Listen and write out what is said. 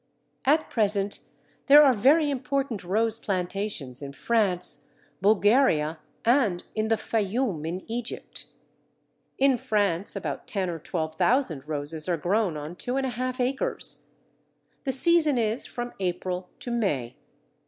At present there are very important rose plantations in France, Bulgaria, and in the Fayoum in Egypt. In France about ten or twelve thousand roses are grown on two and a half acres. The season is from April to May.